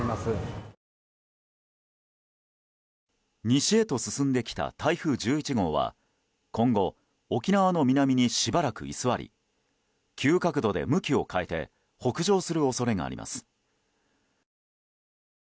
西へと進んできた台風１１号は今後、沖縄の南にしばらく居座り急角度で向きを変えて北上する恐れがあります。